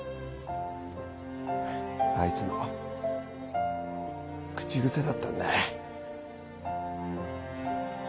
あいつの口癖だったんだ。